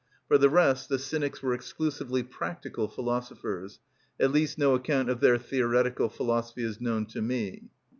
For the rest, the Cynics were exclusively practical philosophers: at least no account of their theoretical philosophy is known to me.